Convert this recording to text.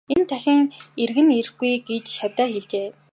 Энд дахиад эргэн ирэхгүй гэж шавьдаа хэлжээ.